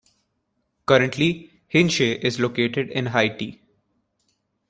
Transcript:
Currently, Hinche is located in Haiti.